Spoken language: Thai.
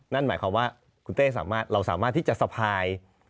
นั่นหมายความว่าคุณเต้สามารถเราสามารถที่จะสะพาย